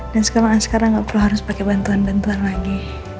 dan sekarang askara gak perlu harus pake bantuan bantuan lagi